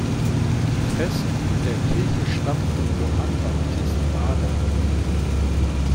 Die Fresken in der Kirche stammen von Johann Baptist Baader.